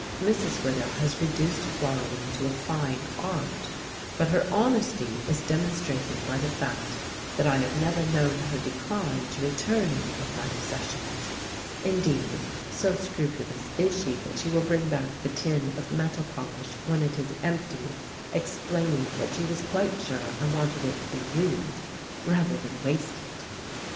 Mrs. Widow has reduced borrowing to a fine art, but her honesty is demonstrated by the fact that I have never known her decline to return any of my possessions; indeed, so scrupulous is she that she will bring back the tin of metal polish, when it is empty, explaining that she was quite sure I wanted it to be used rather than wasted!